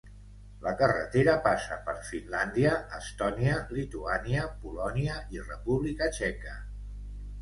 La carretera passa per Finlàndia, Estònia, Lituània, Polònia i República Txeca.